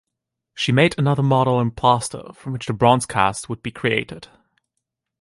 She made another model in plaster from which the bronze cast would be created.